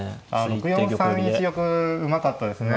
６四歩３一玉うまかったですね。